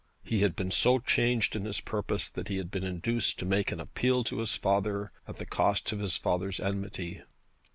He had been so changed in his purpose, that he had been induced to make an appeal to his father at the cost of his father's enmity.